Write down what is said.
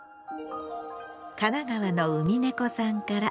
神奈川のうみねこさんから。